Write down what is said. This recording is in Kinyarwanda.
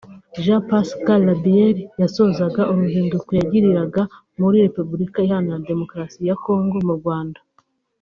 Jean-Pascal Labille yasozaga uruzinduko yagiriraga muri Repubulika Iharanira Demukarasi ya Congo n’u Rwanda